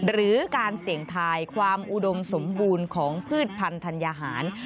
หรือการเสี่ยงทายความอุดมสมบูรณ์ของพืชพันธัญญาหาร